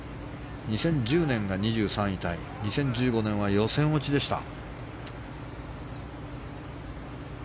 ２０１０年が２３位タイ２０１５年は予選落ちでした。